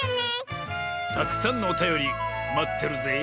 たくさんのおたよりまってるぜえ。